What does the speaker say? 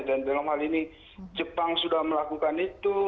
dan dalam hal ini jepang sudah melakukan itu